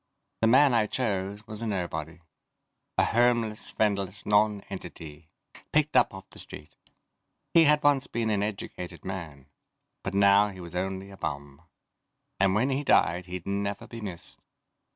The man I chose was a nobody. A homeless, friendless non entity, picked up off the street. He had once been an educated man. But now he was only a bum, and when he died he'd never be missed.